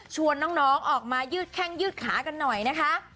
น้องออกมายืดแข้งยืดขากันหน่อยนะคะ